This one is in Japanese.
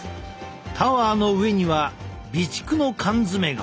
タワーの上には備蓄の缶詰が。